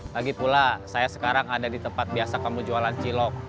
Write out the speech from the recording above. lagi pula saya sekarang ada di tempat biasa kamu jualan cilok